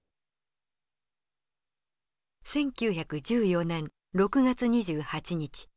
１９１４年６月２８日。